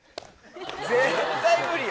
絶対無理よ。